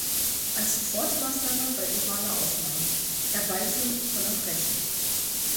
Als Sofortmaßnahme bei oraler Aufnahme: Herbeiführen von Erbrechen.